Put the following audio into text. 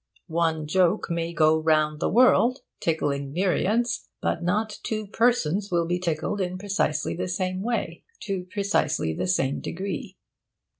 One joke may go round the world, tickling myriads, but not two persons will be tickled in precisely the same way, to precisely the same degree.